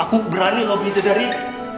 aku berani ngoblin periodik